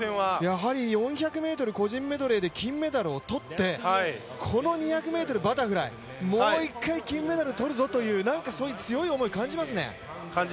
やはり４００ｍ個人メドレーで金メダルを取ってこの２００ｍバタフライ、もう一回金メダルとるぞというなんか、そういう強い思いを感じますね。